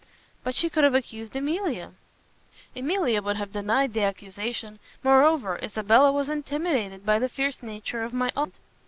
"But she could have accused Emilia." "Emilia would have denied the accusation. Moreover, Isabella was intimidated by the fierce nature of my aunt."